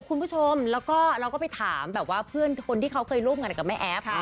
คุณผู้ชมแล้วก็เราก็ไปถามแบบว่าเพื่อนคนที่เขาเคยร่วมงานกับแม่แอฟ